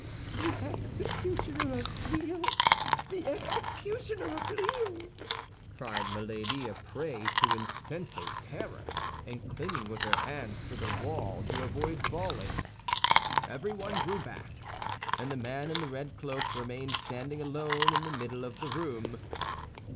"The executioner of Lille, the executioner of Lille!" cried Milady, a prey to insensate terror, and clinging with her hands to the wall to avoid falling. Everyone drew back, and the man in the red cloak remained standing alone in the middle of the room.